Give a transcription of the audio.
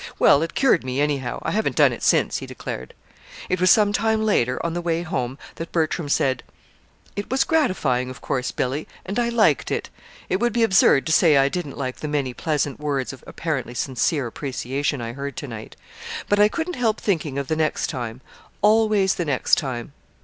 "Well, it cured me, anyhow. I haven't done it since," he declared. It was some time later, on the way home, that Bertram said: "It was gratifying, of course, Billy, and I liked it. It would be absurd to say I didn't like the many pleasant words of apparently sincere appreciation I heard to night. But I couldn't help thinking of the next time always the next time."